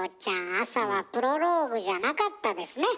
朝はプロローグじゃなかったですね。